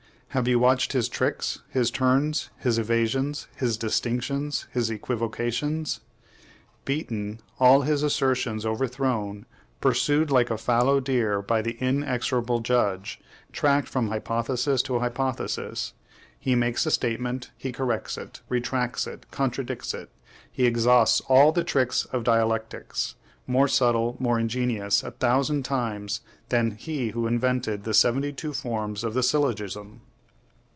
Have you watched his tricks, his turns, his evasions, his distinctions, his equivocations? Beaten, all his assertions overthrown, pursued like a fallow deer by the in exorable judge, tracked from hypothesis to hypothesis, he makes a statement, he corrects it, retracts it, contradicts it, he exhausts all the tricks of dialectics, more subtle, more ingenious a thousand times than he who invented the seventy two forms of the syllogism.